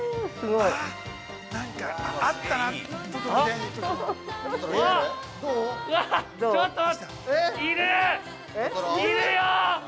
いるよ！